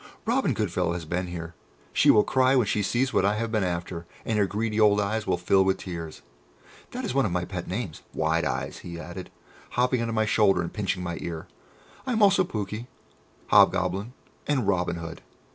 'Robin Goodfellow has been here!' she will cry when she sees what I have been after, and her greedy old eyes will fill with tears. That is one of my pet names, Wide eyes," he added, hopping on to my shoulder and pinching my ear. "I am also Pouke, Hobgoblin, and Robin Hood.